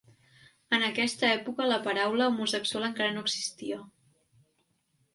En aquesta època, la paraula homosexual encara no existia.